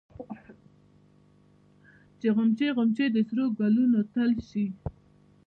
چې غونچې غونچې د سرو ګلونو ټل شي